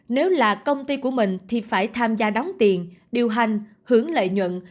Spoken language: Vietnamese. nếu là công ty của mình thì phải tham gia đóng tiền điều hành hưởng lợi nhuận